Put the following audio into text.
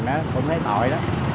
nó cũng thấy tội